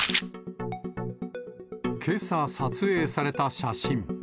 けさ、撮影された写真。